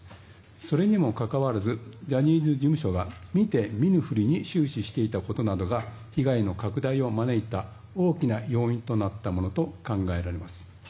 それにもかかわらずジャニーズ事務所は見て見ぬふりに終始していたことなどが被害の拡大を招いた大きな要因となったものと考えられます。